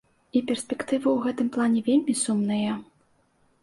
І перспектывы ў гэтым плане вельмі сумныя.